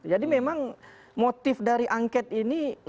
jadi memang motif dari angket ini lebih kepada